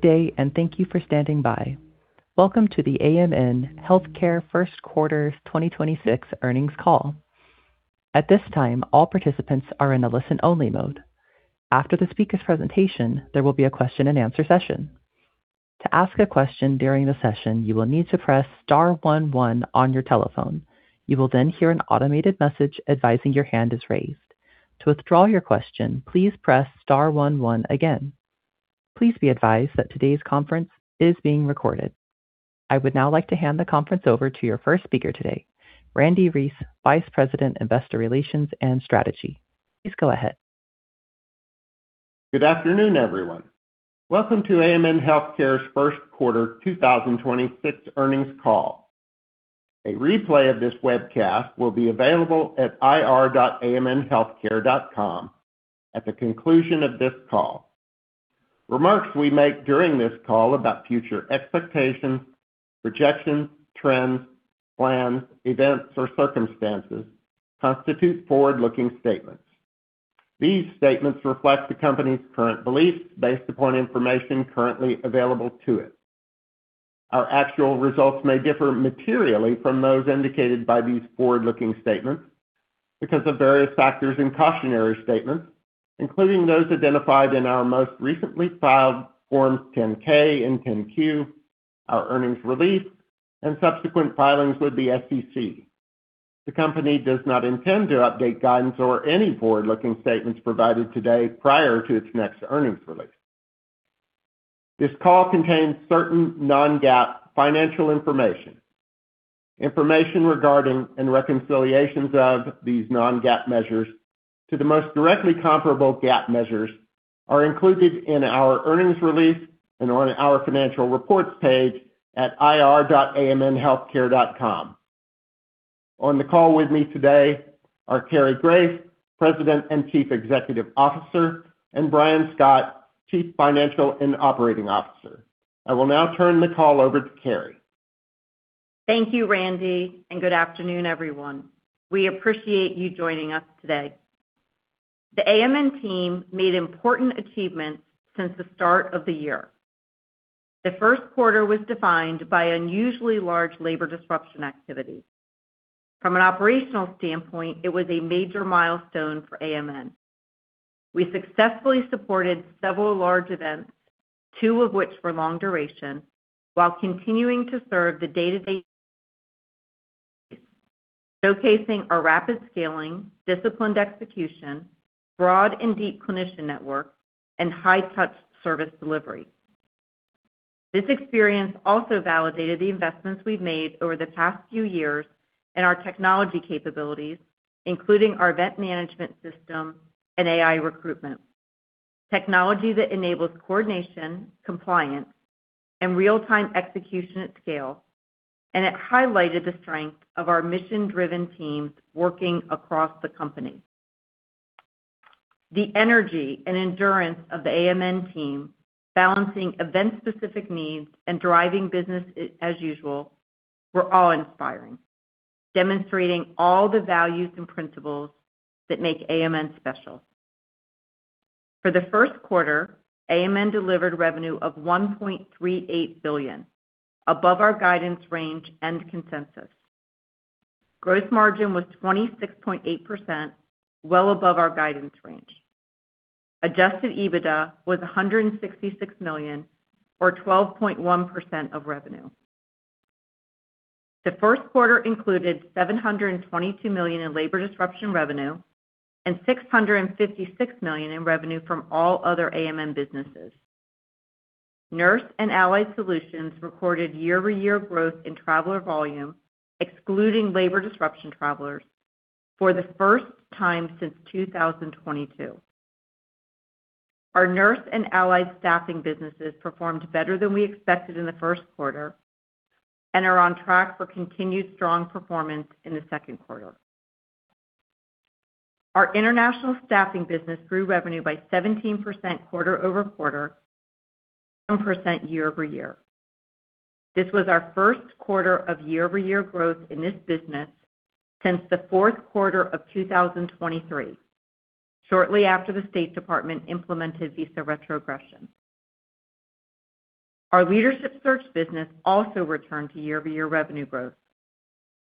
Good day, and thank you for standing by. Welcome to the AMN Healthcare First Quarter 2026 earnings call. At this time, all participants are in a listen-only mode. After the speaker's presentation, there will be a Q&A session. To ask a question during the session, you'll need to press star one one on your telephone. You will then hear an automated message advising your hand is raised. To withdraw your question, please press star one one again. Please be advised that today's conference is being recorded. I would now like to hand the conference over to your first speaker today, Randy Reece, Vice President, Investor Relations and Strategy. Please go ahead. Good afternoon, everyone. Welcome to AMN Healthcare's first quarter 2026 earnings call. A replay of this webcast will be available at ir.amnhealthcare.com at the conclusion of this call. Remarks we make during this call about future expectations, projections, trends, plans, events, or circumstances constitute forward-looking statements. These statements reflect the company's current beliefs based upon information currently available to it. Our actual results may differ materially from those indicated by these forward-looking statements because of various factors and cautionary statements, including those identified in our most recently filed Forms 10-K and 10-Q, our earnings release, and subsequent filings with the SEC. The company does not intend to update guidance or any forward-looking statements provided today prior to its next earnings release. This call contains certain non-GAAP financial information. Information regarding and reconciliations of these non-GAAP measures to the most directly comparable GAAP measures are included in our earnings release and on our financial reports page at ir.amnhealthcare.com. On the call with me today are Cary Grace, President and Chief Executive Officer, and Brian Scott, Chief Financial and Operating Officer. I will now turn the call over to Cary. Thank you, Randy. Good afternoon, everyone. We appreciate you joining us today. The AMN Healthcare team made important achievements since the start of the year. The first quarter was defined by unusually large labor disruption activity. From an operational standpoint, it was a major milestone for AMN Healthcare. We successfully supported several large events, two of which were long duration, while continuing to serve the day-to-day showcasing our rapid scaling, disciplined execution, broad and deep clinician network, and high-touch service delivery. This experience also validated the investments we've made over the past few years in our technology capabilities, including our event management system and AI recruitment, technology that enables coordination, compliance, and real-time execution at scale. It highlighted the strength of our mission-driven teams working across the company. The energy and endurance of the AMN team, balancing event-specific needs and driving business as usual, were awe-inspiring, demonstrating all the values and principles that make AMN special. For the first quarter, AMN delivered revenue of $1.38 billion, above our guidance range and consensus. Gross margin was 26.8%, well above our guidance range. Adjusted EBITDA was $166 million or 12.1% of revenue. The first quarter included $722 million in labor disruption revenue and $656 million in revenue from all other AMN businesses. Nurse and Allied Solutions recorded year-over-year growth in traveler volume, excluding labor disruption travelers, for the first time since 2022. Our Nurse and Allied staffing businesses performed better than we expected in the first quarter and are on track for continued strong performance in the second quarter. Our international staffing business grew revenue by 17% quarter-over-quarter and percent year-over-year. This was our first quarter of year-over-year growth in this business since the fourth quarter of 2023, shortly after the State Department implemented visa retrogression. Our leadership search business also returned to year-over-year revenue growth.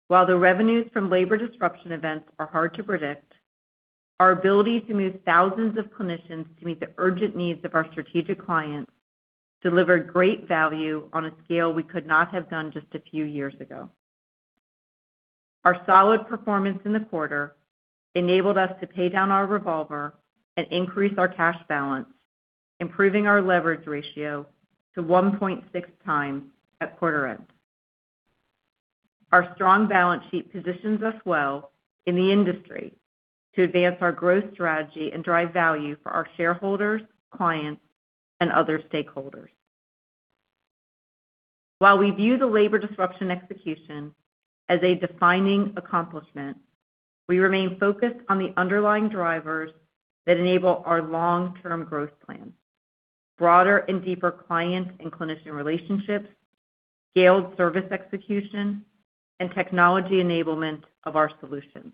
While the revenues from labor disruption events are hard to predict, our ability to move thousands of clinicians to meet the urgent needs of our strategic clients delivered great value on a scale we could not have done just a few years ago. Our solid performance in the quarter enabled us to pay down our revolver and increase our cash balance, improving our leverage ratio to 1.6x at quarter end. Our strong balance sheet positions us well in the industry to advance our growth strategy and drive value for our shareholders, clients, and other stakeholders. While we view the labor disruption execution as a defining accomplishment, we remain focused on the underlying drivers that enable our long-term growth plans: broader and deeper client and clinician relationships, scaled service execution, and technology enablement of our solutions.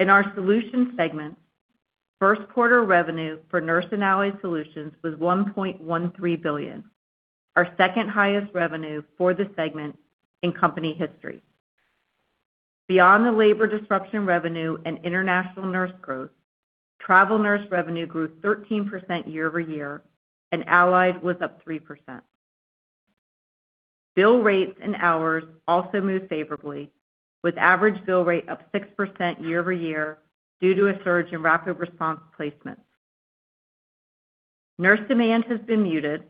In our solutions segment, first quarter revenue for Nurse and Allied Solutions was $1.13 billion, our second-highest revenue for the segment in company history. Beyond the labor disruption revenue and international nurse growth, travel nurse revenue grew 13% year-over-year, and Allied was up 3%. Bill rates and hours also moved favorably, with average bill rate up 6% year-over-year due to a surge in rapid response placements. Nurse demand has been muted,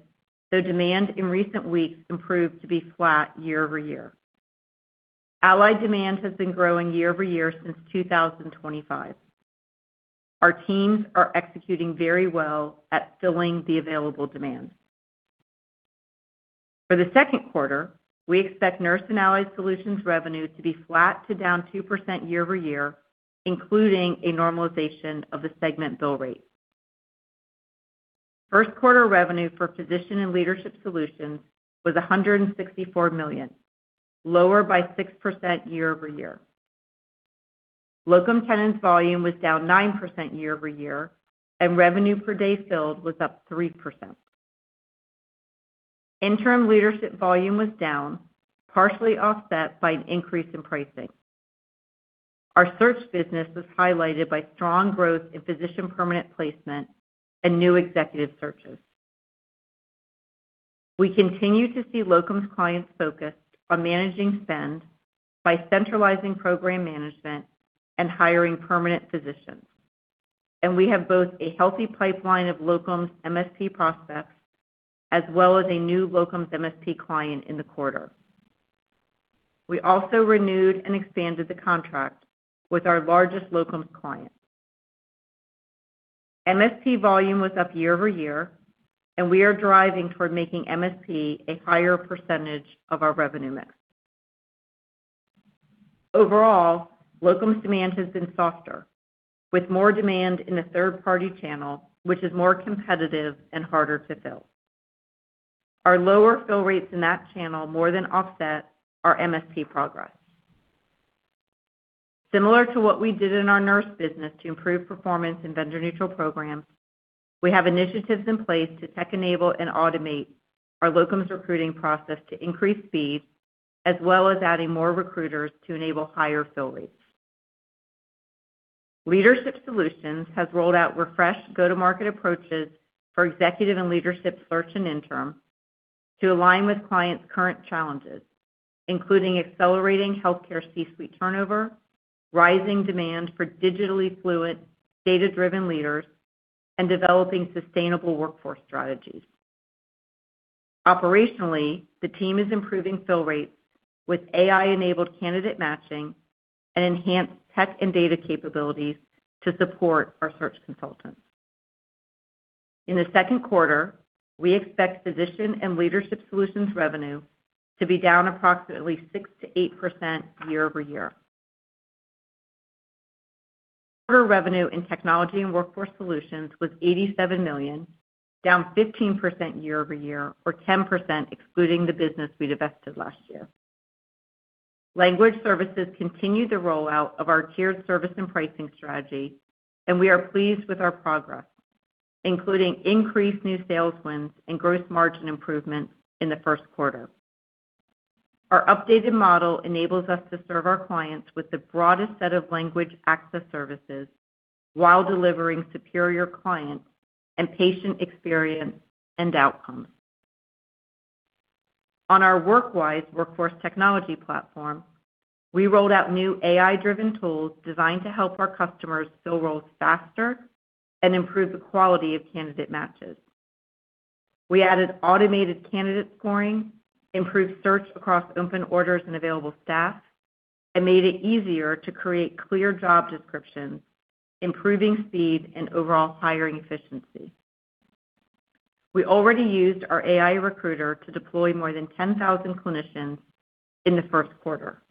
though demand in recent weeks improved to be flat year-over-year. Allied demand has been growing year-over-year since 2025. Our teams are executing very well at filling the available demand. For the second quarter, we expect Nurse and Allied Solutions revenue to be flat to down 2% year-over-year, including a normalization of the segment bill rate. First quarter revenue for Physician and Leadership Solutions was $164 million, lower by 6% year-over-year. Locum tenens volume was down 9% year-over-year, and revenue per day filled was up 3%. Interim leadership volume was down, partially offset by an increase in pricing. Our search business was highlighted by strong growth in physician permanent placement and new executive searches. We continue to see locums clients focused on managing spend by centralizing program management and hiring permanent physicians. We have both a healthy pipeline of locums MSP prospects as well as a new locums MSP client in the quarter. We also renewed and expanded the contract with our largest locums client. MSP volume was up year-over-year. We are driving toward making MSP a higher percent of our revenue mix. Overall, locums demand has been softer, with more demand in the third-party channel, which is more competitive and harder to fill. Our lower fill rates in that channel more than offset our MSP progress. Similar to what we did in our nurse business to improve performance in vendor-neutral programs, we have initiatives in place to tech-enable and automate our locums recruiting process to increase speed, as well as adding more recruiters to enable higher fill rates. Leadership Solutions has rolled out refreshed go-to-market approaches for executive and leadership search and interim to align with clients' current challenges, including accelerating healthcare C-suite turnover, rising demand for digitally fluent, data-driven leaders, and developing sustainable workforce strategies. Operationally, the team is improving fill rates with AI-enabled candidate matching and enhanced tech and data capabilities to support our search consultants. In the second quarter, we expect Physician and Leadership Solutions revenue to be down approximately 6%-8% year-over-year. Quarter revenue in Technology and Workforce Solutions was $87 million, down 15% year-over-year, or 10% excluding the business we divested last year. Language Services continued the rollout of our tiered service and pricing strategy, and we are pleased with our progress, including increased new sales wins and gross margin improvements in the first quarter. Our updated model enables us to serve our clients with the broadest set of language access services while delivering superior client and patient experience and outcomes. On our WorkWise workforce technology platform, we rolled out new AI-driven tools designed to help our customers fill roles faster and improve the quality of candidate matches. We added automated candidate scoring, improved search across open orders and available staff, and made it easier to create clear job descriptions, improving speed and overall hiring efficiency. We already used our AI recruiter to deploy more than 10,000 clinicians in the first quarter.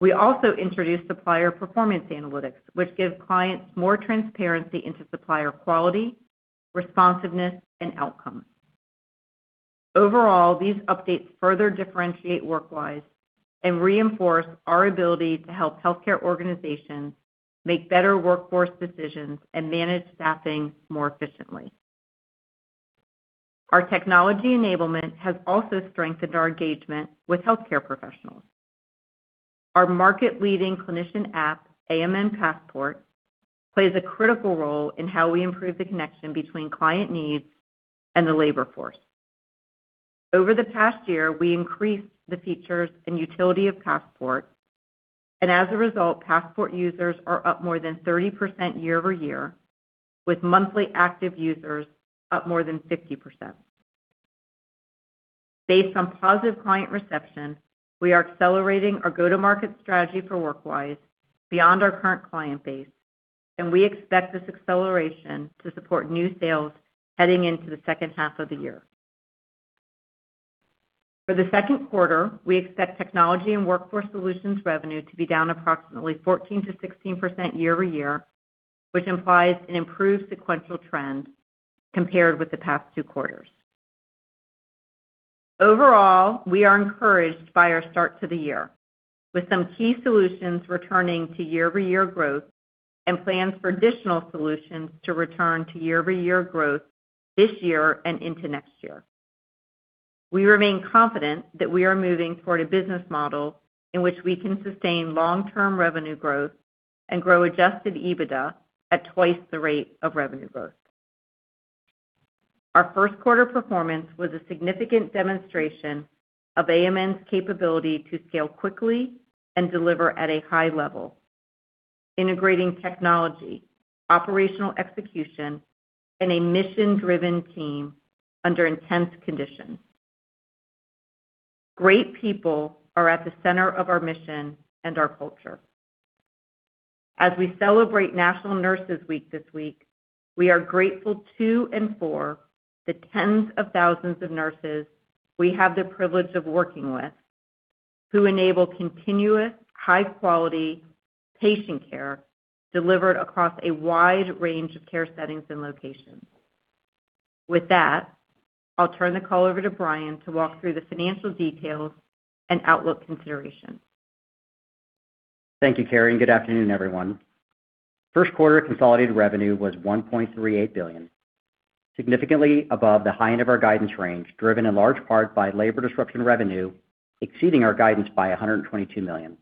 We also introduced supplier performance analytics, which give clients more transparency into supplier quality, responsiveness, and outcomes. Overall, these updates further differentiate WorkWise and reinforce our ability to help healthcare organizations make better workforce decisions and manage staffing more efficiently. Our technology enablement has also strengthened our engagement with healthcare professionals. Our market-leading clinician app, AMN Passport, plays a critical role in how we improve the connection between client needs and the labor force. Over the past year, we increased the features and utility of Passport, and as a result, Passport users are up more than 30% year-over-year, with monthly active users up more than 50%. Based on positive client reception, we are accelerating our go-to-market strategy for WorkWise beyond our current client base, and we expect this acceleration to support new sales heading into the second half of the year. For the second quarter, we expect Technology and Workforce Solutions revenue to be down approximately 14%-16% year-over-year, which implies an improved sequential trend compared with the past two quarters. Overall, we are encouraged by our start to the year, with some key solutions returning to year-over-year growth and plans for additional solutions to return to year-over-year growth this year and into next year. We remain confident that we are moving toward a business model in which we can sustain long-term revenue growth and grow adjusted EBITDA at 2x the rate of revenue growth. Our first quarter performance was a significant demonstration of AMN's capability to scale quickly and deliver at a high level, integrating technology, operational execution, and a mission-driven team under intense conditions. Great people are at the center of our mission and our culture. As we celebrate National Nurses Week this week, we are grateful to and for the tens of thousands of nurses we have the privilege of working with, who enable continuous, high-quality patient care delivered across a wide range of care settings and locations. With that, I'll turn the call over to Brian to walk through the financial details and outlook consideration. Thank you, Cary, and good afternoon, everyone. First quarter consolidated revenue was $1.38 billion, significantly above the high end of our guidance range, driven in large part by labor disruption revenue exceeding our guidance by $122 million.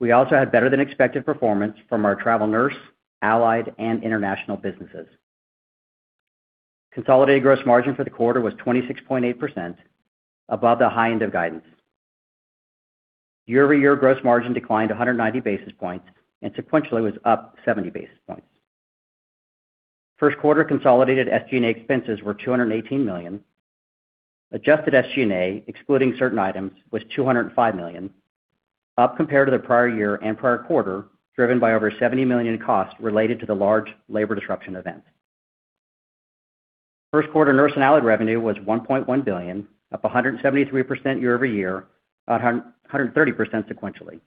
We also had better-than-expected performance from our travel nurse, allied, and international businesses. Consolidated gross margin for the quarter was 26.8%, above the high end of guidance. Year-over-year gross margin declined 190 basis points, and sequentially was up 70 basis points. First quarter consolidated SG&A expenses were $218 million. Adjusted SG&A, excluding certain items, was $205 million, up compared to the prior year and prior quarter, driven by over $70 million in costs related to the large labor disruption events. First quarter Nurse and Allied revenue was $1.1 billion, up 173% year-over-year, 130% sequentially.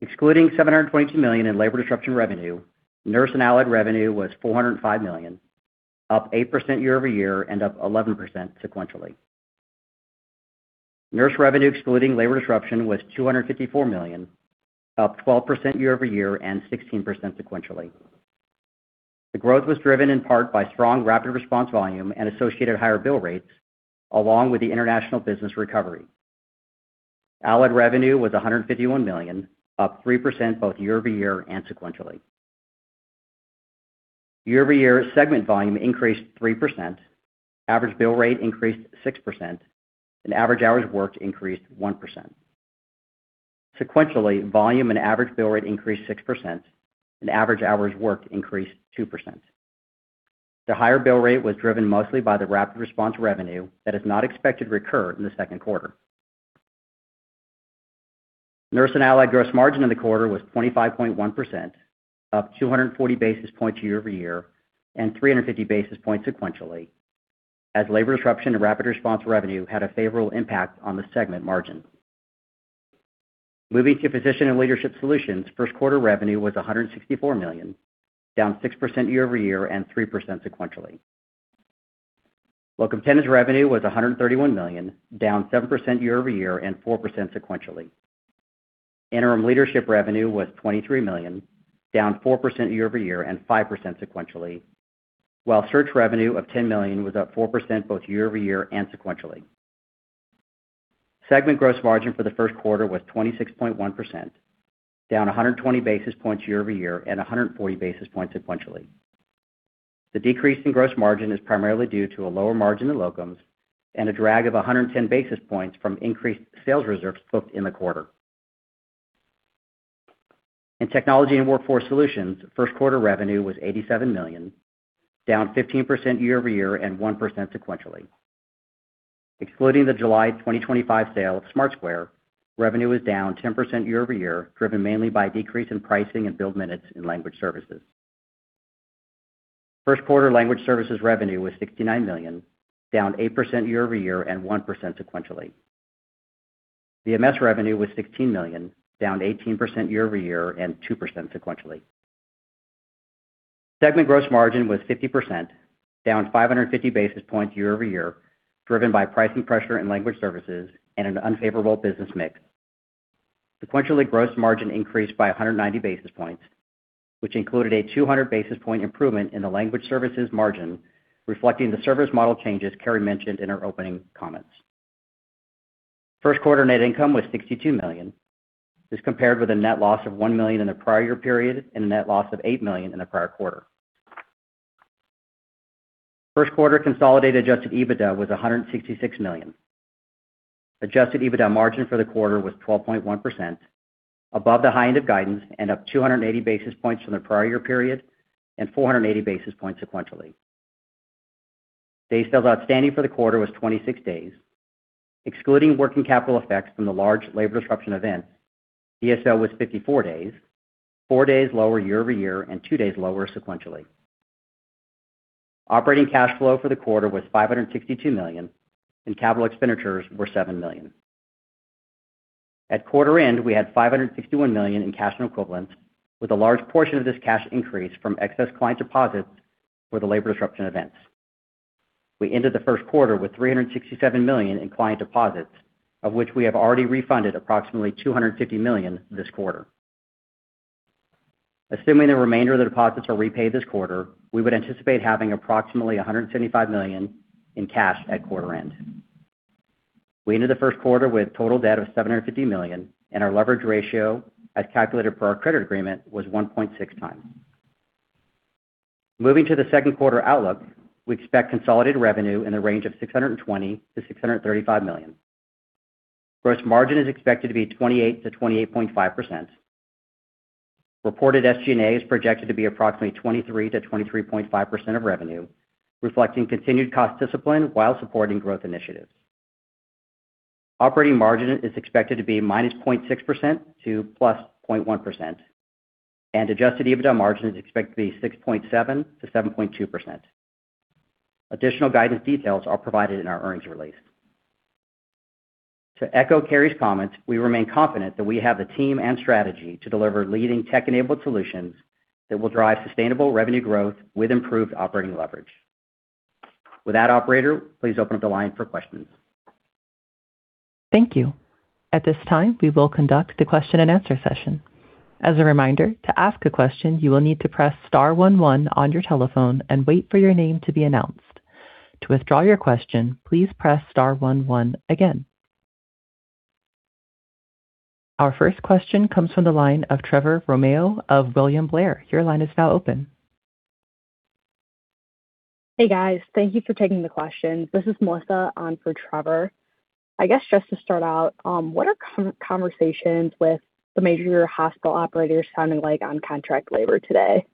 Excluding $722 million in labor disruption revenue, Nurse and Allied revenue was $405 million, up 8% year-over-year and up 11% sequentially. Nurse revenue excluding labor disruption was $254 million, up 12% year-over-year and 16% sequentially. The growth was driven in part by strong rapid response volume and associated higher bill rates along with the international business recovery. Allied revenue was $151 million, up 3% both year-over-year and sequentially. Year-over-year segment volume increased 3%, average bill rate increased 6%, and average hours worked increased 1%. Sequentially, volume and average bill rate increased 6%, and average hours worked increased 2%. The higher bill rate was driven mostly by the rapid response revenue that is not expected to recur in the second quarter. Nurse and allied gross margin in the quarter was 25.1%, up 240 basis points year-over-year and 350 basis points sequentially as labor disruption and rapid response revenue had a favorable impact on the segment margin. Moving to Physician and Leadership Solutions, first quarter revenue was $164 million, down 6% year-over-year and 3% sequentially. Locum tenens revenue was $131 million, down 7% year-over-year and 4% sequentially. Interim leadership revenue was $23 million, down 4% year-over-year and 5% sequentially, while search revenue of $10 million was up 4% both year-over-year and sequentially. Segment gross margin for the first quarter was 26.1%, down 120 basis points year-over-year and 140 basis points sequentially. The decrease in gross margin is primarily due to a lower margin in locums and a drag of 110 basis points from increased sales reserves booked in the quarter. In Technology and Workforce Solutions, first quarter revenue was $87 million, down 15% year-over-year and 1% sequentially. Excluding the July 2025 sale of Smart Square, revenue was down 10% year-over-year, driven mainly by a decrease in pricing and billed minutes in language services. First quarter language services revenue was $69 million, down 8% year-over-year and 1% sequentially. VMS revenue was $16 million, down 18% year-over-year and 2% sequentially. Segment gross margin was 50%, down 550 basis points year-over-year, driven by pricing pressure in language services and an unfavorable business mix. Sequentially, gross margin increased by 190 basis points, which included a 200 basis point improvement in the language services margin, reflecting the service model changes Cary mentioned in her opening comments. First quarter net income was $62 million. This compared with a net loss of $1 million in the prior year period and a net loss of $8 million in the prior quarter. First quarter consolidated adjusted EBITDA was $166 million. Adjusted EBITDA margin for the quarter was 12.1%, above the high end of guidance and up 280 basis points from the prior year period and 480 basis points sequentially. Days sales outstanding for the quarter was 26 days. Excluding working capital effects from the large labor disruption event, DSO was 54 days, four days lower year-over-year and two days lower sequentially. Operating cash flow for the quarter was $562 million, and capital expenditures were $7 million. At quarter end, we had $561 million in cash and equivalents, with a large portion of this cash increase from excess client deposits for the labor disruption events. We ended the first quarter with $367 million in client deposits, of which we have already refunded approximately $250 million this quarter. Assuming the remainder of the deposits are repaid this quarter, we would anticipate having approximately $175 million in cash at quarter end. We ended the first quarter with total debt of $750 million, and our leverage ratio, as calculated per our credit agreement, was 1.6x. Moving to the second quarter outlook, we expect consolidated revenue in the range of $620 million-$635 million. Gross margin is expected to be 28%-28.5%. Reported SG&A is projected to be approximately 23%-23.5% of revenue, reflecting continued cost discipline while supporting growth initiatives. Operating margin is expected to be -0.6% to +0.1%. Adjusted EBITDA margin is expected to be 6.7%-7.2%. Additional guidance details are provided in our earnings release. To echo Cary's comments, we remain confident that we have the team and strategy to deliver leading tech-enabled solutions that will drive sustainable revenue growth with improved operating leverage. With that, operator, please open up the line for questions. Thank you. At this time, we will conduct a Q&A session. As a reminder, to ask a question, you will need to press star one one on your telephone and wait for your name to be announced. To withdraw your question, please press star one one again. Our first question comes from the line of Trevor Romeo of William Blair. Your line is now open. Hey, guys. Thank you for taking the question. This is Melissa on for Trevor. I guess just to start out, what are conversations with the major hospital operators sounding like on contract labor today?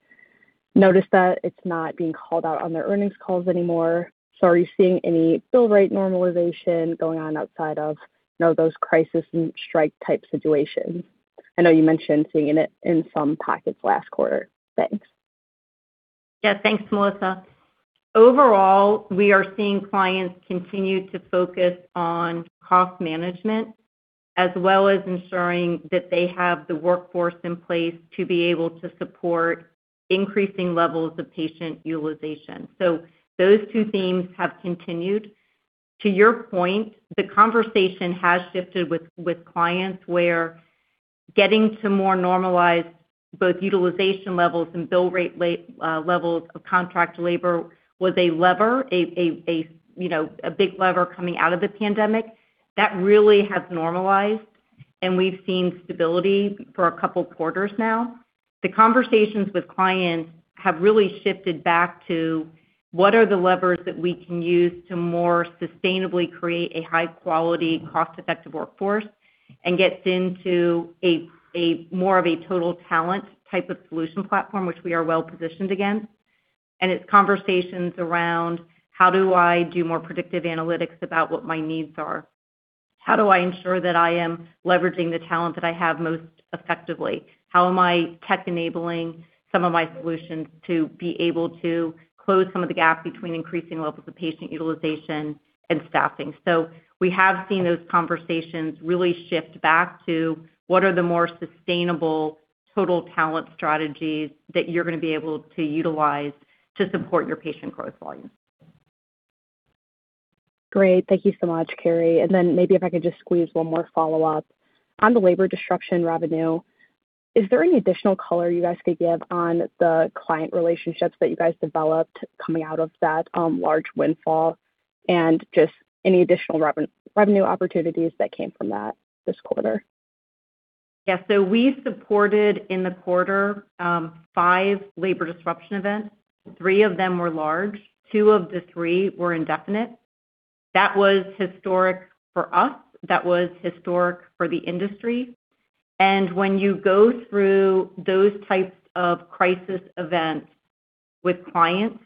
Notice that it's not being called out on their earnings calls anymore. Are you seeing any bill rate normalization going on outside of, you know, those crisis and strike type situations? I know you mentioned seeing it in some pockets last quarter. Thanks. Yeah. Thanks, Melissa. Overall, we are seeing clients continue to focus on cost management as well as ensuring that they have the workforce in place to be able to support increasing levels of patient utilization. Those two themes have continued. To your point, the conversation has shifted with clients where getting to more normalized both utilization levels and bill rate levels of contract labor was a lever, you know, a big lever coming out of the pandemic. That really has normalized, and we've seen stability for a couple quarters now. The conversations with clients have really shifted back to what are the levers that we can use to more sustainably create a high quality, cost-effective workforce, and gets into a more of a total talent type of solution platform, which we are well-positioned against. It's conversations around how do I do more predictive analytics about what my needs are? How do I ensure that I am leveraging the talent that I have most effectively? How am I tech enabling some of my solutions to be able to close some of the gaps between increasing levels of patient utilization and staffing? We have seen those conversations really shift back to what are the more sustainable total talent strategies that you're gonna be able to utilize to support your patient growth volumes. Great. Thank you so much, Cary. Maybe if I could just squeeze one more follow-up. On the labor disruption revenue, is there any additional color you guys could give on the client relationships that you guys developed coming out of that large windfall? Just any additional revenue opportunities that came from that this quarter? Yeah. We supported in the quarter, five labor disruption events. Three of them were large. Two of the three were indefinite. That was historic for us. That was historic for the industry. When you go through those types of crisis events with clients,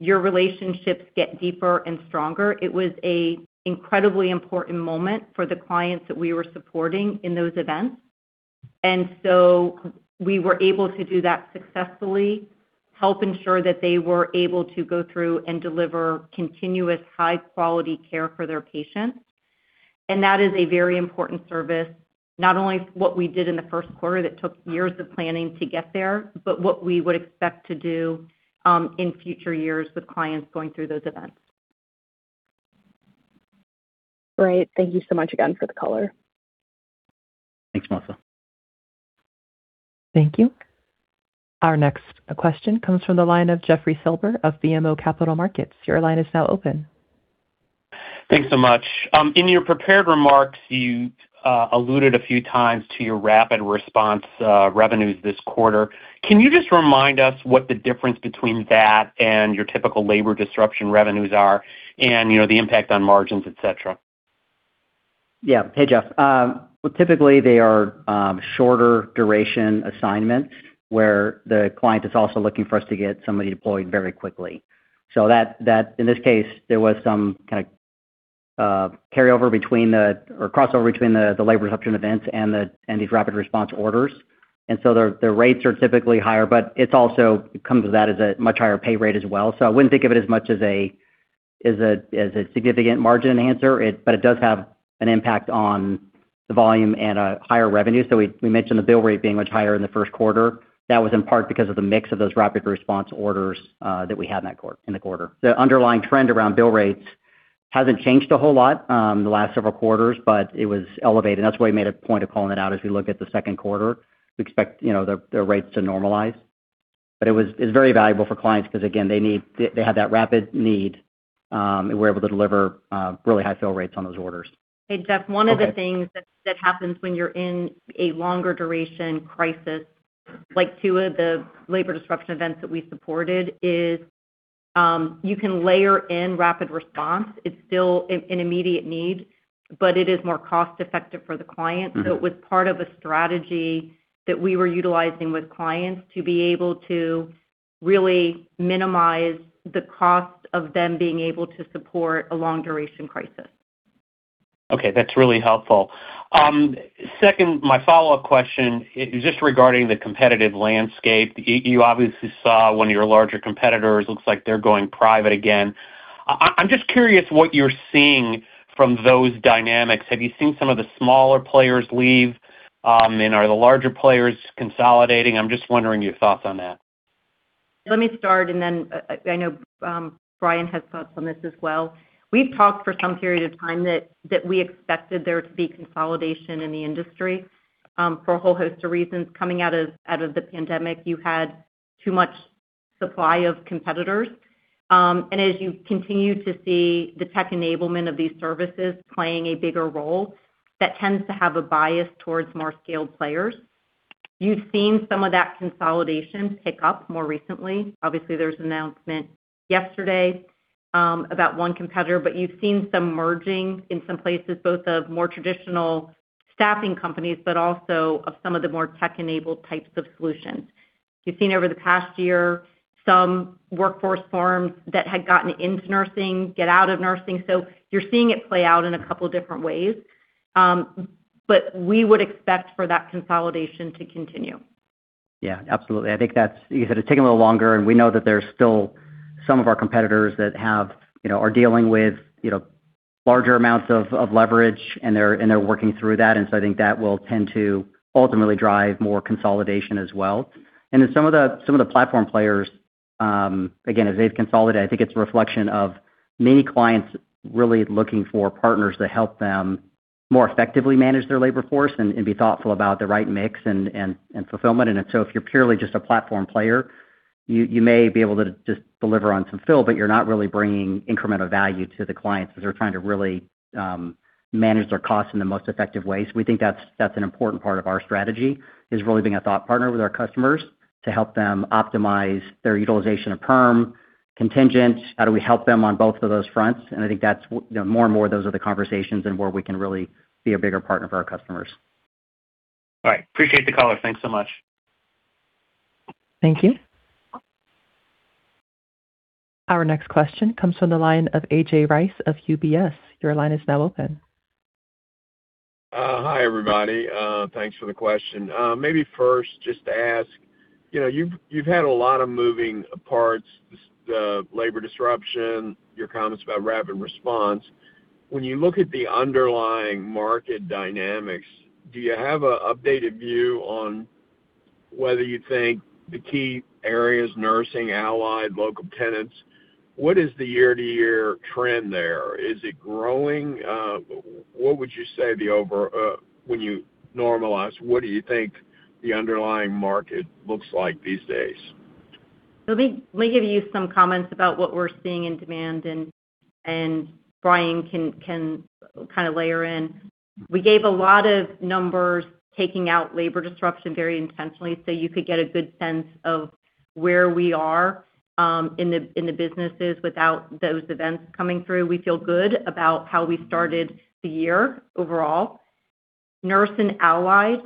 your relationships get deeper and stronger. It was a incredibly important moment for the clients that we were supporting in those events. We were able to do that successfully, help ensure that they were able to go through and deliver continuous high-quality care for their patients. That is a very important service, not only what we did in the first quarter that took years of planning to get there, but what we would expect to do in future years with clients going through those events. Great. Thank you so much again for the color. Thanks, Melissa. Thank you. Our next question comes from the line of Jeffrey Silber of BMO Capital Markets. Your line is now open. Thanks so much. In your prepared remarks, you alluded a few times to your rapid response revenues this quarter. Can you just remind us what the difference between that and your typical labor disruption revenues are and, you know, the impact on margins, et cetera? Yeah. Hey, Jeff. Well, typically they are shorter duration assignments where the client is also looking for us to get somebody deployed very quickly. That in this case, there was some kind of carry over between the or crossover between the labor disruption events and these rapid response orders. The rates are typically higher, but it also comes with that as a much higher pay rate as well. I wouldn't think of it as much as a significant margin answer. It does have an impact on the volume and a higher revenue. We mentioned the bill rate being much higher in the first quarter. That was in part because of the mix of those rapid response orders that we had in that quarter. The underlying trend around bill rates hasn't changed a whole lot, the last several quarters, but it was elevated. That's why we made a point of calling it out as we look at the second quarter. We expect, you know, the rates to normalize. It was, it's very valuable for clients because, again, they had that rapid need, and we're able to deliver really high fill rates on those orders. Hey, Jeff, one of the things that happens when you're in a longer duration crisis, like two of the labor disruption events that we supported, is, you can layer in rapid response. It's still an immediate need, but it is more cost-effective for the client. It was part of a strategy that we were utilizing with clients to be able to really minimize the cost of them being able to support a long duration crisis. Okay. That's really helpful. Second, my follow-up question is just regarding the competitive landscape. You obviously saw one of your larger competitors, looks like they're going private again. I'm just curious what you're seeing from those dynamics. Have you seen some of the smaller players leave? Are the larger players consolidating? I'm just wondering your thoughts on that. Let me start, and then, I know Brian has thoughts on this as well. We've talked for some period of time that we expected there to be consolidation in the industry for a whole host of reasons. Coming out of the pandemic, you had too much supply of competitors. As you continue to see the tech enablement of these services playing a bigger role, that tends to have a bias towards more scaled players. You've seen some of that consolidation pick up more recently. Obviously, there was an announcement yesterday about one competitor, but you've seen some merging in some places, both of more traditional staffing companies, but also of some of the more tech-enabled types of solutions. You've seen over the past one year some workforce firms that had gotten into nursing get out of nursing. You're seeing it play out in a couple different ways. We would expect for that consolidation to continue. Yeah, absolutely. I think that's, you said it's taking a little longer, and we know that there's still some of our competitors that have, you know, are dealing with, you know, larger amounts of leverage, and they're working through that. I think that will tend to ultimately drive more consolidation as well. Some of the platform players, again, as they've consolidated, I think it's a reflection of many clients really looking for partners to help them more effectively manage their labor force and be thoughtful about the right mix and fulfillment. If you're purely just a platform player, you may be able to just deliver on some fill, but you're not really bringing incremental value to the clients as they're trying to really manage their costs in the most effective way. We think that's an important part of our strategy, is really being a thought partner with our customers to help them optimize their utilization of perm, contingent. How do we help them on both of those fronts? I think that's, you know, more and more, those are the conversations and where we can really be a bigger partner for our customers. All right. Appreciate the color. Thanks so much. Thank you. Our next question comes from the line of A.J. Rice of UBS. Your line is now open. Hi, everybody. Thanks for the question. Maybe first, just to ask, you know, you've had a lot of moving parts, the labor disruption, your comments about rapid response. When you look at the underlying market dynamics, do you have an updated view on whether you think the key areas, nursing, allied, locum tenens, what is the year-over-year trend there? Is it growing? What would you say when you normalize, what do you think the underlying market looks like these days? Let me give you some comments about what we're seeing in demand and Brian can kind of layer in. We gave a lot of numbers taking out labor disruption very intentionally so you could get a good sense of where we are in the businesses without those events coming through. We feel good about how we started the year overall. Nurse and allied,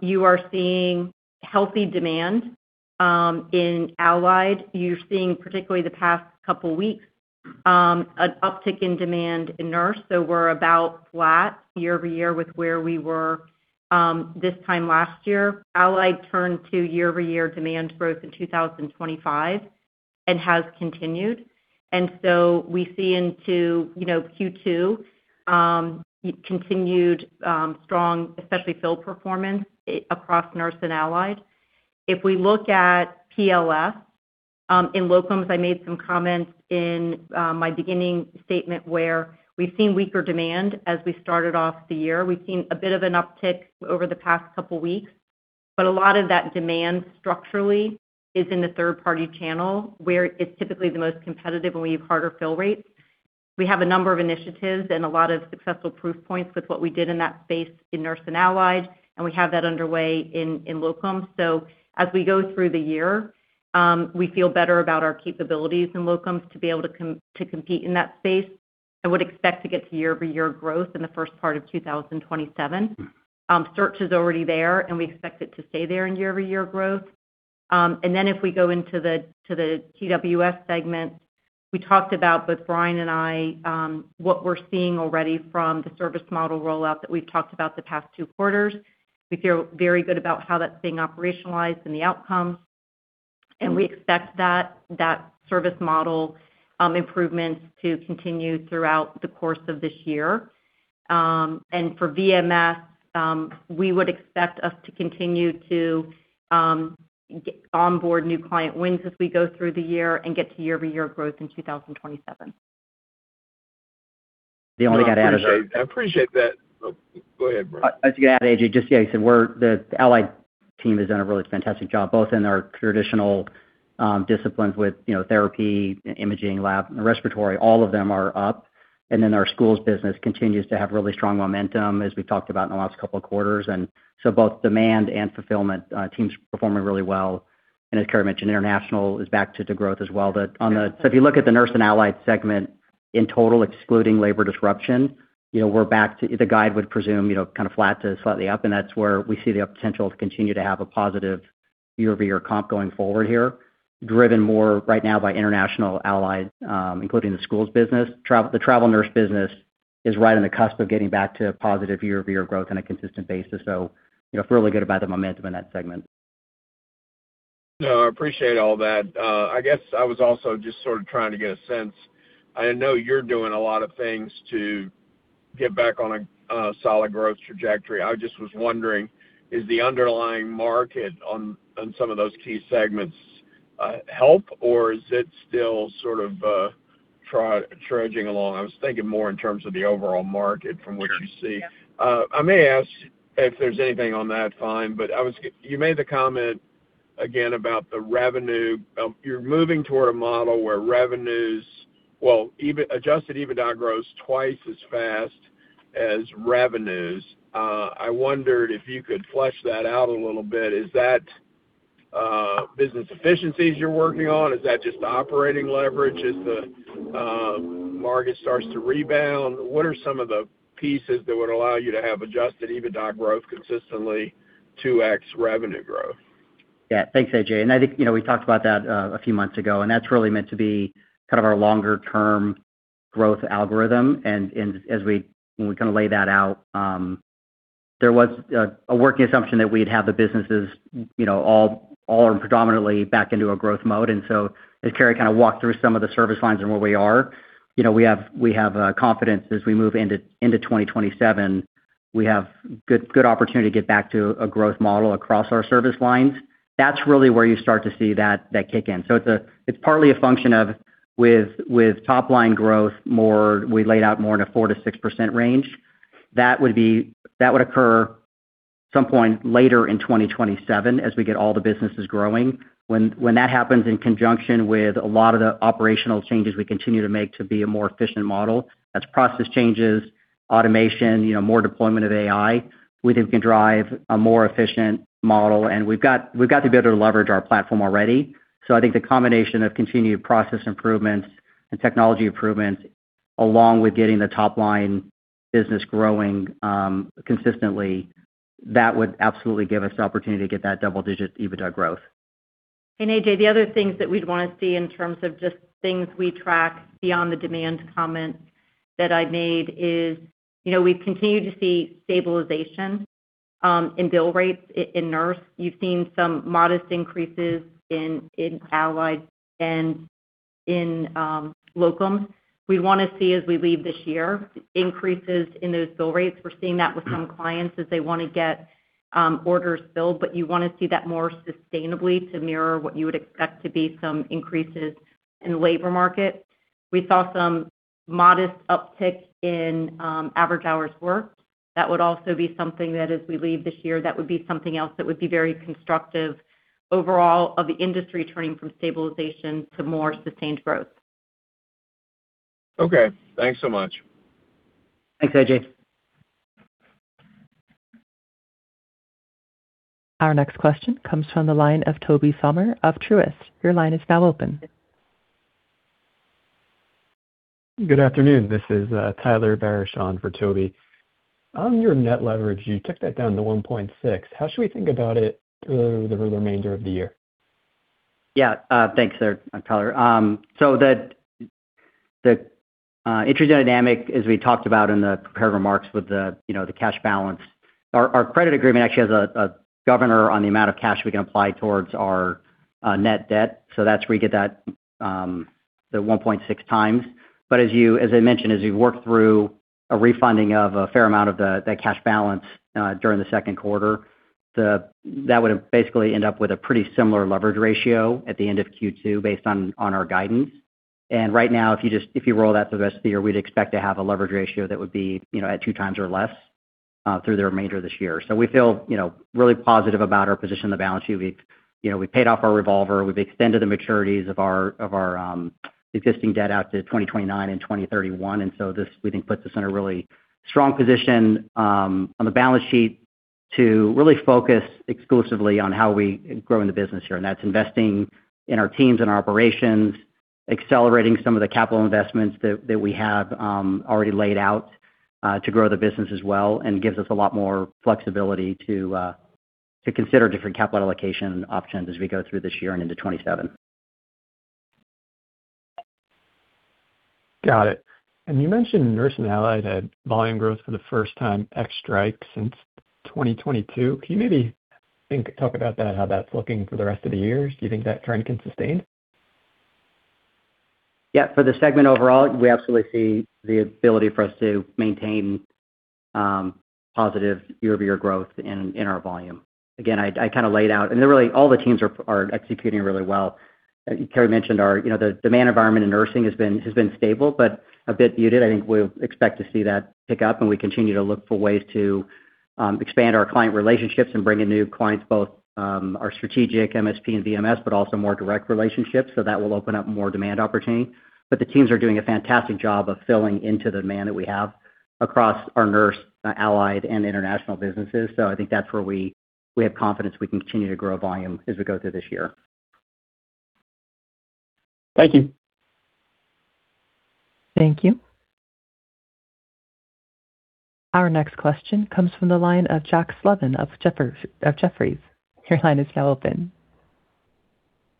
you are seeing healthy demand in allied. You're seeing, particularly the past couple weeks, an uptick in demand in nurse. We're about flat year-over-year with where we were this time last year. Allied turned to year-over-year demand growth in 2025 and has continued. We see into, you know, Q2, continued strong, especially fill performance across nurse and allied. If we look at PLS, in locums, I made some comments in my beginning statement where we've seen weaker demand as we started off the year. We've seen a bit of an uptick over the past couple weeks, a lot of that demand structurally is in the third-party channel where it's typically the most competitive and we have harder fill rates. We have a number of initiatives and a lot of successful proof points with what we did in that space in Nurse and Allied, we have that underway in locum. As we go through the year, we feel better about our capabilities in locums to be able to compete in that space. I would expect to get to year-over-year growth in the first part of 2027. Search is already there, we expect it to stay there in year-over-year growth. If we go into the TWS segment, we talked about, both Brian and I, what we're seeing already from the service model rollout that we've talked about the past two quarters. We feel very good about how that's being operationalized and the outcomes. We expect that service model improvements to continue throughout the course of this year. For VMS, we would expect us to continue to onboard new client wins as we go through the year and get to year-over-year growth in 2027. The only thing I'd add is that. No, I appreciate, I appreciate that. Go ahead, Brian. I was going to add, A.J., just, yeah, you said we're the allied team has done a really fantastic job, both in our traditional disciplines with, you know, therapy, imaging, lab, and respiratory. All of them are up. Our schools business continues to have really strong momentum, as we talked about in the last couple of quarters. Both demand and fulfillment teams performing really well. As Cary Grace mentioned, international is back to growth as well. If you look at the Nurse and Allied Solutions segment in total, excluding labor disruption, you know, we're back to. The guide would presume, you know, kinda flat to slightly up, and that's where we see the potential to continue to have a positive year-over-year comp going forward here, driven more right now by international allied, including the schools business. The travel nurse business is right on the cusp of getting back to positive year-over-year growth on a consistent basis. You know, feel really good about the momentum in that segment. No, I appreciate all that. I guess I was also just sort of trying to get a sense. I know you're doing a lot of things to get back on a solid growth trajectory. I just was wondering, is the underlying market on some of those key segments help, or is it still sort of trudging along? I was thinking more in terms of the overall market from what you see. I may ask if there's anything on that, fine. You made the comment again about the revenue. You're moving toward a model where revenues Well, EV-adjusted EBITDA grows twice as fast as revenues. I wondered if you could flesh that out a little bit. Is that business efficiencies you're working on? Is that just operating leverage as the market starts to rebound? What are some of the pieces that would allow you to have adjusted EBITDA growth consistently 2x revenue growth? Yeah. Thanks, A.J. I think, you know, we talked about that a few months ago, and that's really meant to be kind of our longer-term growth algorithm. As we, when we kind of lay that out, there was a working assumption that we'd have the businesses, you know, all predominantly back into a growth mode. As Cary kind of walked through some of the service lines and where we are, you know, we have confidence as we move into 2027. We have good opportunity to get back to a growth model across our service lines. That's really where you start to see that kick in. It's partly a function of with top line growth we laid out more in a 4%-6% range. That would occur some point later in 2027 as we get all the businesses growing. When that happens in conjunction with a lot of the operational changes we continue to make to be a more efficient model, that's process changes, automation, you know, more deployment of AI, we think can drive a more efficient model. We've got the ability to leverage our platform already. I think the combination of continued process improvements and technology improvements, along with getting the top line business growing consistently, that would absolutely give us the opportunity to get that double-digit EBITDA growth. A.J., the other things that we'd wanna see in terms of just things we track beyond the demand comment that I made is, you know, we continue to see stabilization in bill rates in nurse. You've seen some modest increases in allied and in locums. We wanna see as we leave this year, increases in those bill rates. We're seeing that with some clients as they wanna get orders filled, but you wanna see that more sustainably to mirror what you would expect to be some increases in labor market. We saw some modest uptick in average hours worked. That would also be something that as we leave this year, that would be something else that would be very constructive overall of the industry turning from stabilization to more sustained growth. Okay. Thanks so much. Thanks, A.J. Our next question comes from the line of Tobey Sommer of Truist. Your line is now open. Good afternoon. This is Tyler Barishaw for Toby. On your net leverage, you took that down to 1.6. How should we think about it through the remainder of the year? Thanks there, Tyler. The intradynamic, as we talked about in the prepared remarks with the, you know, the cash balance, our credit agreement actually has a governor on the amount of cash we can apply towards our net debt. That's where we get that, the 1.6x. As I mentioned, as we work through a refunding of a fair amount of the cash balance during the second quarter, that would basically end up with a pretty similar leverage ratio at the end of Q2 based on our guidance. Right now, if you roll that through the rest of the year, we'd expect to have a leverage ratio that would be, you know, at 2x or less through the remainder of this year. We feel, you know, really positive about our position on the balance sheet. We've, you know, we paid off our revolver, we've extended the maturities of our, of our existing debt out to 2029 and 2031. This, we think, puts us in a really strong position on the balance sheet to really focus exclusively on how we grow in the business here. That's investing in our teams and our operations, accelerating some of the capital investments that we have already laid out to grow the business as well, and gives us a lot more flexibility to consider different capital allocation options as we go through this year and into 2027. Got it. You mentioned Nurse and Allied had volume growth for the first time ex Strike since 2022. Can you maybe talk about that, how that's looking for the rest of the year? Do you think that trend can sustain? For the segment overall, we absolutely see the ability for us to maintain positive year-over-year growth in our volume. Again, really, all the teams are executing really well. Cary Grace mentioned our, you know, the demand environment in nursing has been stable, but a bit muted. I think we expect to see that pick up, and we continue to look for ways to expand our client relationships and bring in new clients, both our strategic MSP and VMS, but also more direct relationships. That will open up more demand opportunity. The teams are doing a fantastic job of filling into the demand that we have across our Nurse, Allied, and international businesses. I think that's where we have confidence we can continue to grow volume as we go through this year. Thank you. Thank you. Our next question comes from the line of Jack Slevin of Jefferies. Your line is now open.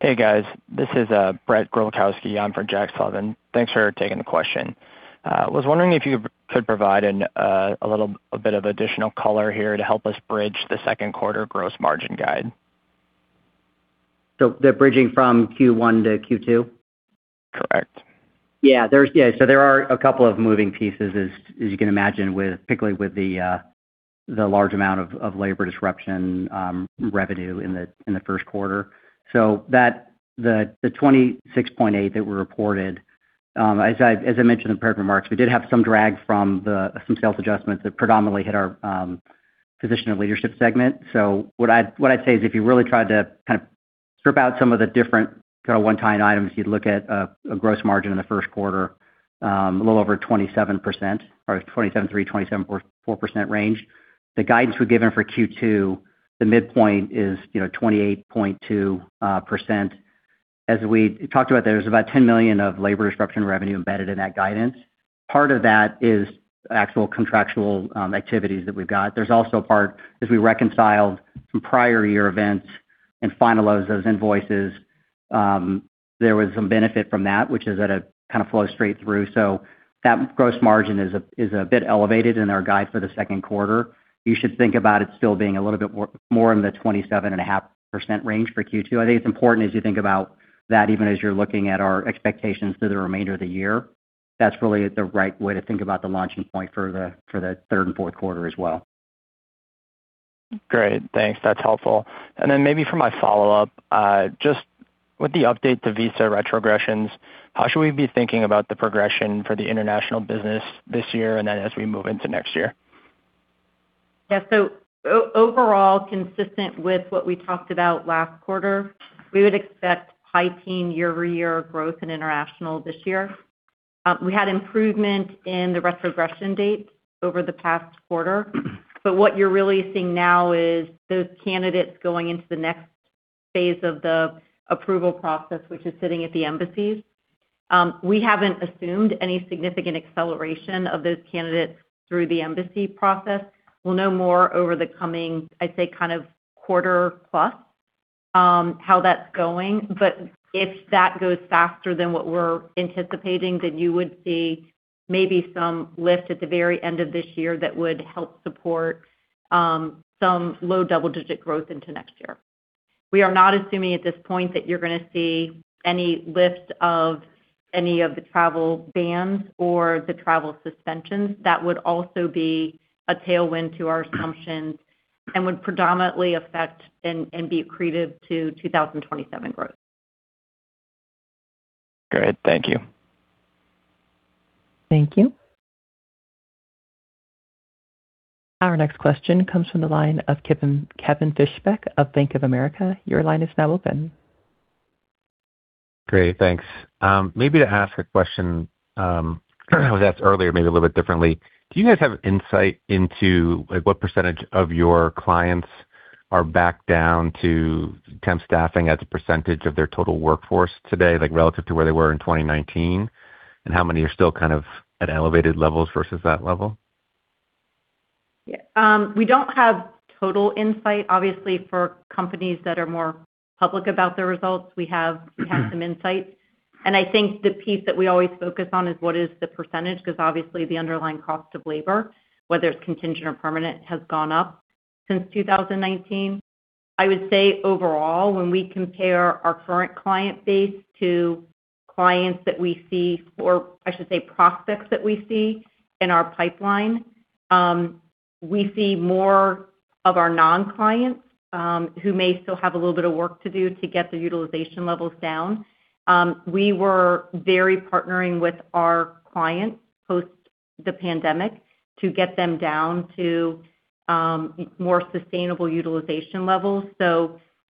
Hey, guys. This is Brett Grulkowski on for Jack Slevin. Thanks for taking the question. Was wondering if you could provide a little, a bit of additional color here to help us bridge the second quarter gross margin guide. They're bridging from Q1 to Q2? Correct. There's a couple of moving pieces, as you can imagine, with, particularly with the large amount of labor disruption, revenue in the first quarter. That, the 26.8% that were reported, as I mentioned in the prepared remarks, we did have some drag from some sales adjustments that predominantly hit our Physician and Leadership Solutions segment. What I'd say is if you really tried to kind of strip out some of the different kind of one-time items, you'd look at a gross margin in the first quarter, a little over 27%, or 27.3%-27.4% range. The guidance we've given for Q2, the midpoint is, you know, 28.2%. As we talked about, there's about $10 million of labor disruption revenue embedded in that guidance. Part of that is actual contractual activities that we've got. There's also a part as we reconciled some prior year events and finalize those invoices, there was some benefit from that which is at a kind of flow straight through. So that gross margin is a bit elevated in our guide for the second quarter. You should think about it still being a little bit more in the 27.5% range for Q2. I think it's important as you think about that, even as you're looking at our expectations through the remainder of the year, that's really the right way to think about the launching point for the third and four quarter as well. Great. Thanks. That is helpful. Maybe for my follow-up, just with the update to visa retrogressions, how should we be thinking about the progression for the international business this year and then as we move into next year? Overall, consistent with what we talked about last quarter, we would expect high teen year-over-year growth in international this year. We had improvement in the retrogression dates over the past quarter, but what you're really seeing now is those candidates going into the next phase of the approval process, which is sitting at the embassies. We haven't assumed any significant acceleration of those candidates through the embassy process. We'll know more over the coming, I'd say, kind of quarter plus, how that's going. If that goes faster than what we're anticipating, then you would see maybe some lift at the very end of this year that would help support some low double-digit growth into next year. We are not assuming at this point that you're gonna see any lift of any of the travel bans or the travel suspensions. That would also be a tailwind to our assumptions and would predominantly affect and be accretive to 2027 growth. Great. Thank you. Thank you. Our next question comes from the line of Kevin Fischbeck of Bank of America. Your line is now open. Great. Thanks. Maybe to ask a question that was asked earlier, maybe a little bit differently. Do you guys have insight into, like, what percent of your clients are back down to temp staffing as a percent of their total workforce today, like relative to where they were in 2019, and how many are still kind of at elevated levels versus that level? Yeah. We don't have total insight. Obviously, for companies that are more public about their results, we have some insights. I think the piece that we always focus on is what is the percentage, 'cause obviously the underlying cost of labor, whether it's contingent or permanent, has gone up since 2019. I would say overall, when we compare our current client base to clients that we see, or I should say prospects that we see in our pipeline, we see more of our non-clients, who may still have a little bit of work to do to get the utilization levels down. We were very partnering with our clients post the pandemic to get them down to more sustainable utilization levels.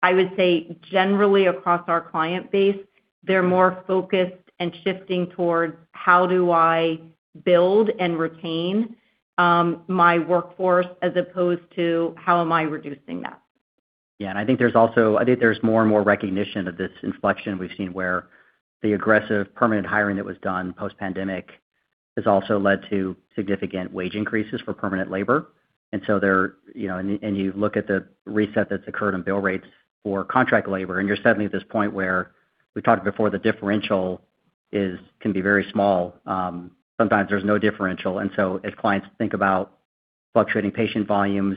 I would say generally across our client base, they're more focused and shifting towards how do I build and retain my workforce as opposed to how am I reducing that. Yeah. I think there's more and more recognition of this inflection we've seen where the aggressive permanent hiring that was done post-pandemic has also led to significant wage increases for permanent labor. They're, you look at the reset that's occurred on bill rates for contract labor, and you're suddenly at this point where we talked before the differential can be very small. Sometimes there's no differential. As clients think about fluctuating patient volumes,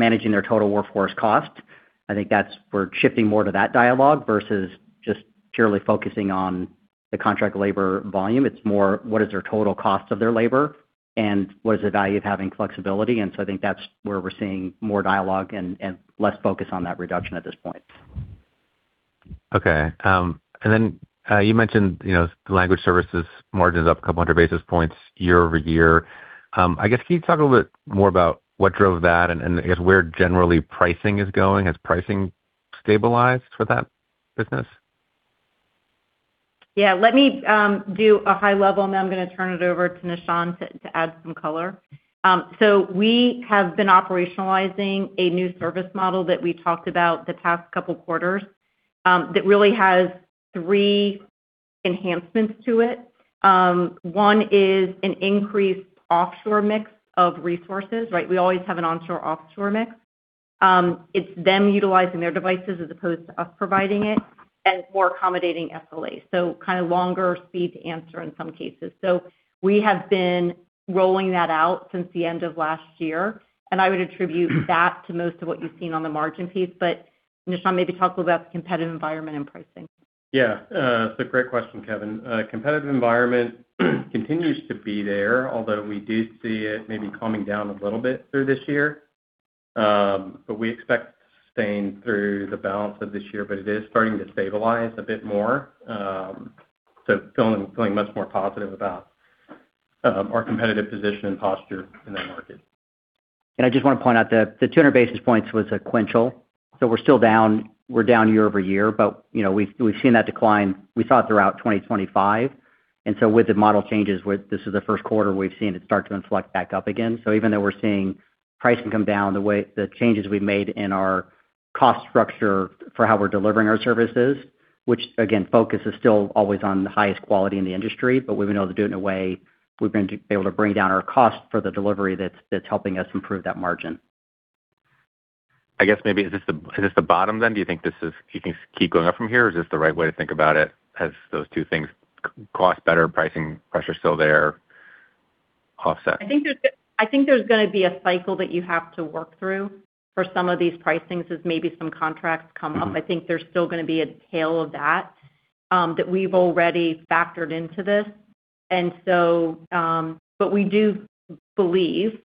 managing their total workforce costs, I think we're shifting more to that dialogue versus just purely focusing on the contract labor volume. It's more, what is their total cost of their labor, and what is the value of having flexibility? I think that's where we're seeing more dialogue and less focus on that reduction at this point. Okay. You mentioned, you know, language services margins up a couple hundred basis points year-over-year. I guess can you talk a little bit more about what drove that and I guess where generally pricing is going? Has pricing stabilized for that business? Yeah. Let me do a high level, and then I'm going to turn it over to Nishan to add some color. We have been operationalizing a new service model that we talked about the past couple quarters, that really has three enhancements to it. One is an increased offshore mix of resources, right? We always have an onshore-offshore mix. It's them utilizing their devices as opposed to us providing it, and it's more accommodating SLAs. Kind of longer speed to answer in some cases. We have been rolling that out since the end of last year, and I would attribute that to most of what you've seen on the margin piece. Nishan, maybe talk a little about the competitive environment and pricing. Yeah. It's a great question, Kevin. Competitive environment continues to be there, although we do see it maybe calming down a little bit through this year. We expect it to sustain through the balance of this year, but it is starting to stabilize a bit more. Feeling much more positive about our competitive position and posture in that market. I just wanna point out that the 200 basis points was sequential. We're still down, we're down year-over-year, but you know, we've seen that decline, we saw it throughout 2025. With the model changes, this is the first quarter we've seen it start to inflect back up again. Even though we're seeing pricing come down, the changes we've made in our cost structure for how we're delivering our services, which again, focus is still always on the highest quality in the industry, but we've been able to bring down our cost for the delivery that's helping us improve that margin. I guess maybe is this the bottom then? Do you think this is you can keep going up from here, or is this the right way to think about it as those two things cost better, pricing pressure still there offset? I think there's gonna be a cycle that you have to work through for some of these pricings as maybe some contracts come up. I think there's still gonna be a tail of that that we've already factored into this. But we do believe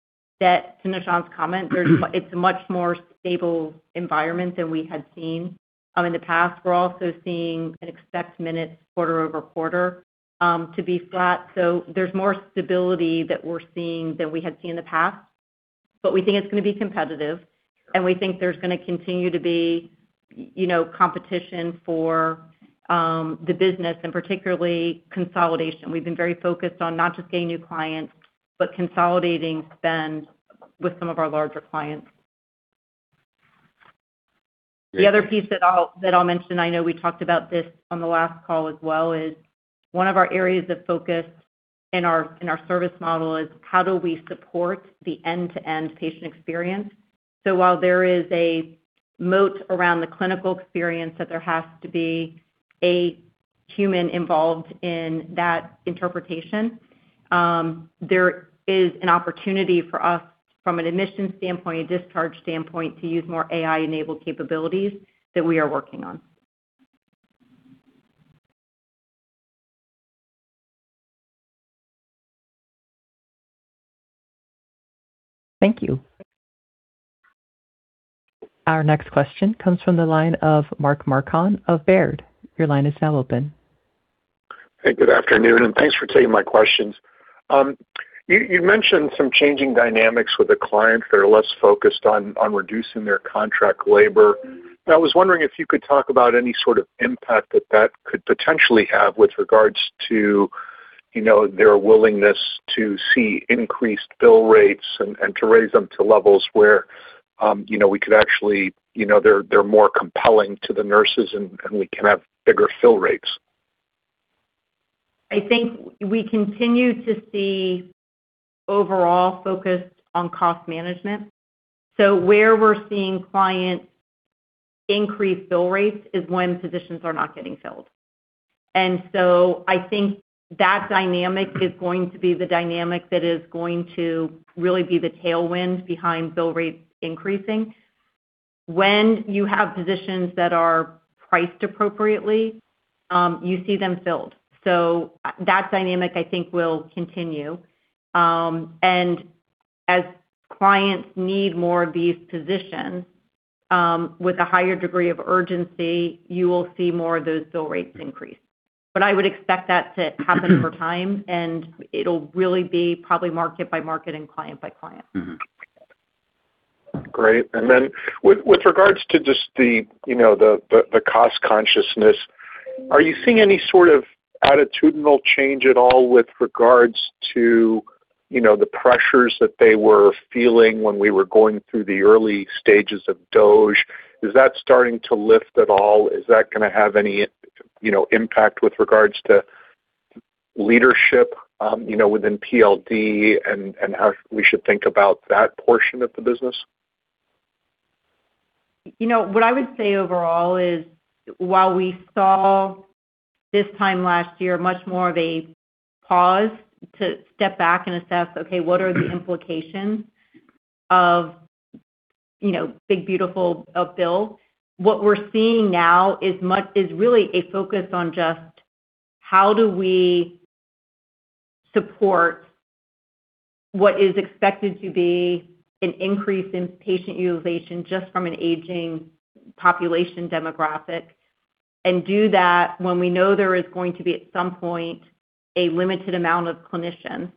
that, to Nishan's comment, it's a much more stable environment than we had seen in the past. We're also seeing and expect metrics quarter-over-quarter to be flat. There's more stability that we're seeing than we had seen in the past. We think it's gonna be competitive, and we think there's gonna continue to be, you know, competition for the business and particularly consolidation. We've been very focused on not just gaining new clients, but consolidating spend with some of our larger clients. The other piece that I'll mention, I know we talked about this on the last call as well, is one of our areas of focus in our service model is how do we support the end-to-end patient experience. While there is a moat around the clinical experience that there has to be a human involved in that interpretation, there is an opportunity for us from an admission standpoint, a discharge standpoint, to use more AI-enabled capabilities that we are working on. Thank you. Our next question comes from the line of Mark Marcon of Baird. Your line is now open. Hey, good afternoon, and thanks for taking my questions. You mentioned some changing dynamics with the clients that are less focused on reducing their contract labor. I was wondering if you could talk about any sort of impact that that could potentially have with regards to, you know, their willingness to see increased bill rates and to raise them to levels where, you know, we could actually, you know, they're more compelling to the nurses and we can have bigger fill rates. I think we continue to see overall focus on cost management. Where we're seeing clients increase bill rates is when positions are not getting filled. I think that dynamic is going to be the dynamic that is going to really be the tailwind behind bill rates increasing. When you have positions that are priced appropriately, you see them filled. That dynamic I think will continue. As clients need more of these positions, with a higher degree of urgency, you will see more of those bill rates increase. I would expect that to happen over time, and it'll really be probably market by market and client by client. Great. Then with regards to just the, you know, the cost consciousness, are you seeing any sort of attitudinal change at all with regards to, you know, the pressures that they were feeling when we were going through the early stages of DOGE, is that starting to lift at all? Is that going to have any, you know, impact with regards to leadership, you know, within PLS and how we should think about that portion of the business? You know, what I would say overall is while we saw this time last year much more of a pause to step back and assess, okay, what are the implications of, you know, One Big Beautiful Bill, what we're seeing now is much is really a focus on just how do we support what is expected to be an increase in patient utilization just from an aging population demographic, and do that when we know there is going to be, at some point, a limited amount of clinicians.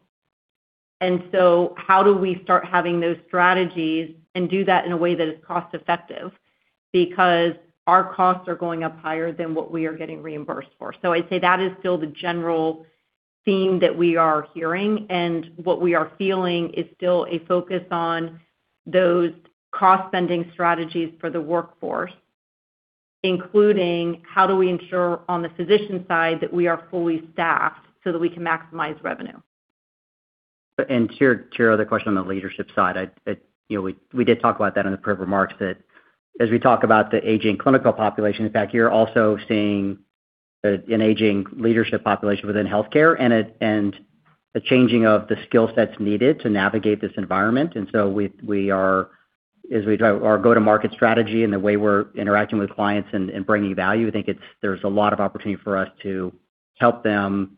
How do we start having those strategies and do that in a way that is cost-effective? Because our costs are going up higher than what we are getting reimbursed for. I'd say that is still the general theme that we are hearing, and what we are feeling is still a focus on those cost-spending strategies for the workforce, including how do we ensure on the physician side that we are fully staffed so that we can maximize revenue. To your other question on the leadership side, you know, we did talk about that in the prepared remarks that as we talk about the aging clinical population, in fact, you're also seeing an aging leadership population within healthcare and a changing of the skill sets needed to navigate this environment. We are, as we drive our go-to-market strategy and the way we're interacting with clients and bringing value, there's a lot of opportunity for us to help them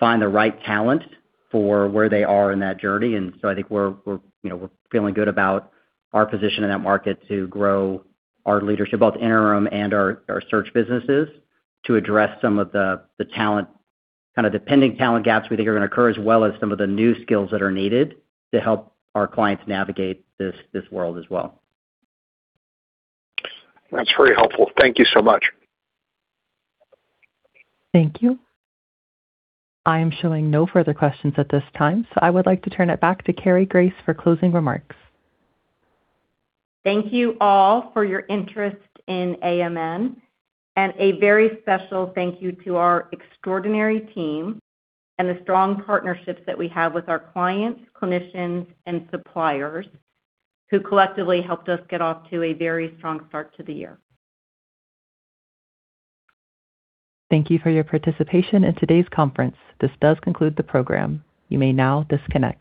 find the right talent for where they are in that journey. I think we're, you know, we're feeling good about our position in that market to grow our leadership, both interim and our search businesses, to address some of the talent, kind of the pending talent gaps we think are gonna occur, as well as some of the new skills that are needed to help our clients navigate this world as well. That's very helpful. Thank you so much. Thank you. I am showing no further questions at this time. I would like to turn it back to Cary Grace for closing remarks. Thank you all for your interest in AMN, and a very special thank you to our extraordinary team and the strong partnerships that we have with our clients, clinicians, and suppliers who collectively helped us get off to a very strong start to the year. Thank you for your participation in today's conference. This does conclude the program. You may now disconnect.